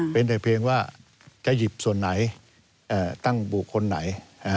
เป็นแต่เพียงว่าจะหยิบส่วนไหนตั้งบุคคลไหน